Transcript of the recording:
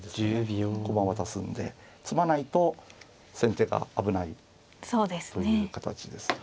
駒渡すんで詰まないと先手が危ないという形です。